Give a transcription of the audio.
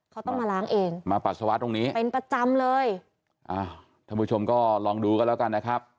เขาต้องมาล้างเองเป็นประจำเลยท่านผู้ชมก็ลองดูกันแล้วกันนะครับ